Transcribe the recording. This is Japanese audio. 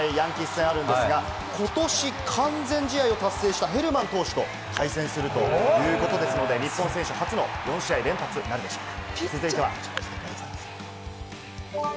この後も試合、ヤンキース戦あるんですが、ことし完全試合を達成した選手と対戦するということですので、日本選手初の４試合連発となるでしょうか？